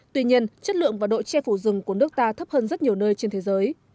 tuy nhiên chất lượng và độ che phủ rừng của nước ta thấp hơn rất nhiều nơi trên thế giới